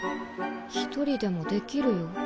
１人でもできるよ。